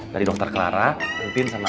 dari dokter clara hentin sama bu yora